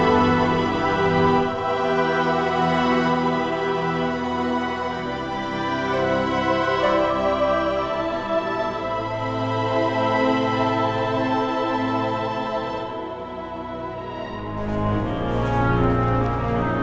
aku gak boleh nangis terus